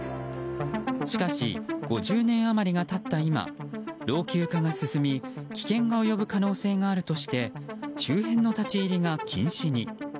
しかし５０年余りが経った今老朽化が進み危険が及ぶ可能性があるとして周辺の立ち入りが禁止に。